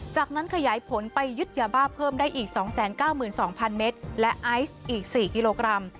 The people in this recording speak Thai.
จากนั้นขยายผลไปยึดยาบ้าเพิ่มได้อีกสองแสนก้าวหมื่นสองพันเมตรและไอซ์อีกสี่กิโลกรัม